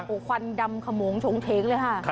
โอ้โหควันดำขโมงชงเฉงเลยค่ะ